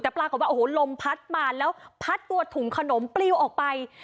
แต่ปรากฏว่าโอ้โหลมพัดมาแล้วพัดตัวถุงขนมปลิวออกไป